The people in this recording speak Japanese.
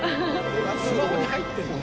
スマホに入ってるよ！